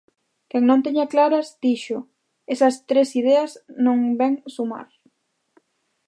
Quen non teña claras, dixo, "esas tres ideas, non vén sumar".